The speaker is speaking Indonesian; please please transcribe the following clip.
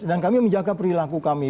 dan kami menjaga perilaku kami